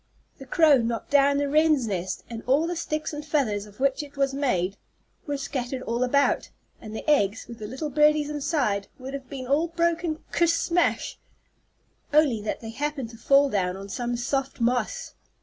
The crow knocked down the wren's nest, and all the sticks and feathers of which it was made were scattered all about, and the eggs, with the little birdies inside, would have been all broken ker smash, only that they happened to fall down on some soft moss.